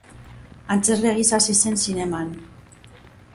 Antzezle gisa hasi zen zineman.